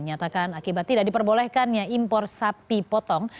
nyatakan akibat tidak diperbolehkannya impor sapi potong